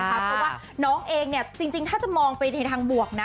เพราะว่าน้องเองจริงถ้าจะมองไปในทางบวกนะ